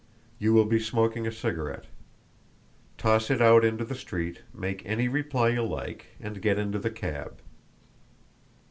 You will be smoking a cigarette. Toss it out into the street, make any reply you like, and get into the cab.